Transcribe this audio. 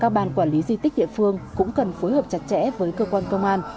các bàn quản lý di tích địa phương cũng phối hợp chặt chẽ với cơ quan công an